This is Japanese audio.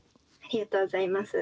ありがとうございます。